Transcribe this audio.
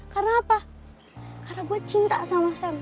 karena apa karena gue cinta sama sam